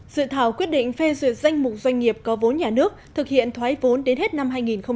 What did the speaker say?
dự thảo quyết định phê duyệt danh mục doanh nghiệp có vốn nhà nước thực hiện thoái vốn đến hết năm hai nghìn hai mươi